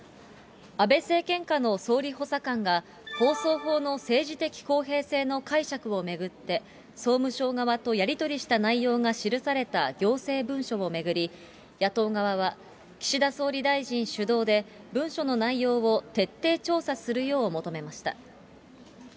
安倍政権下の総理補佐官が、放送法の政治的公平性の解釈を巡って、総務省側とやり取りした内容が記された行政文書を巡り、野党側は岸田総理大臣主導で文書の内容を徹底調査するよう求めました。